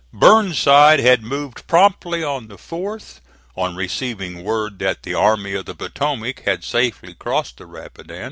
Burnside had moved promptly on the 4th, on receiving word that the Army of the Potomac had safely crossed the Rapidan.